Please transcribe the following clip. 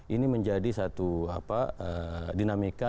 ini menjadi satu dinamika